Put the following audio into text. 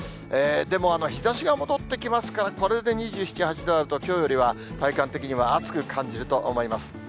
でも日ざしが戻ってきますから、これで２７、８度あると、きょうよりは体感的には暑く感じると思います。